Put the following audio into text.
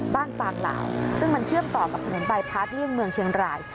บ้านปากหล่าวซึ่งมันเชื่อมต่อกับถนนไปพักเลี่ยงเมืองเชียงราย